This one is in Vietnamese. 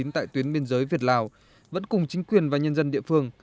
tại tuyến biên giới việt lào vẫn cùng chính quyền và nhân dân địa phương